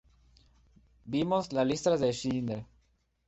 Vimos 'La lista de Schindler'.